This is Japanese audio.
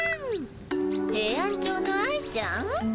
ヘイアンチョウの愛ちゃん？